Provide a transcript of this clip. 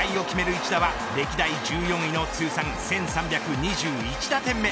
一打は歴代１４位の通算１３２１打点目。